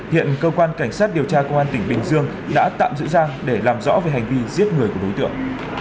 hiện cơ quan cảnh sát điều tra công an tỉnh bình dương đã tạm giữ giang để làm rõ về hành vi giết người của đối tượng